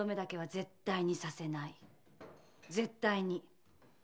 絶対に。